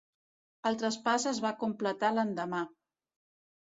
El traspàs es va completar l'endemà.